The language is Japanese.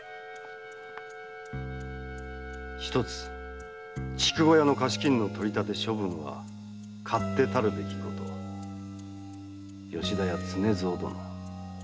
「一つ筑後屋の貸し金の取り立て処分は勝手たるべきこと」「吉田屋常蔵殿」